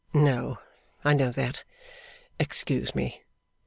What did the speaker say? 'No; I know that. Excuse me.